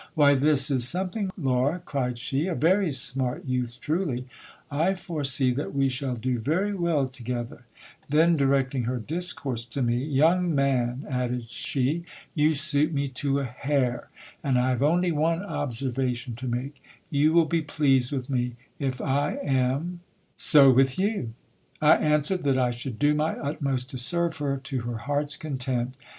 Why, this is something, Laura, cried she ; a very smart youth truly : I foresee that we shall do very well together. Then directing her discourse to me, Young man, added she, you suit me to a hair, and I have only one observation to make : you will be pleased with me, if I am Gil Bias and the Actors.— p. 105. LAURA MAKES GIL BLAS JEALOUS. 105 so with you. I answered that I should do my utmost to serve her to her heart's content.